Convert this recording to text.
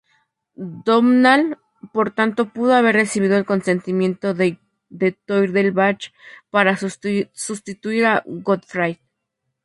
Domnall, por tanto, pudo haber recibido el consentimiento de Toirdelbach para sustituir a Gofraid.